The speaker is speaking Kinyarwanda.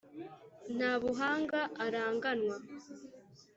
nta buhanga aranganwa.